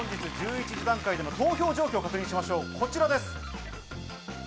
１１時段階での投票状況を確認しましょう。